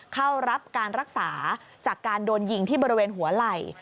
เข้ารับการรักษาจากการโดนยิงที่บริเวณหัวไหล่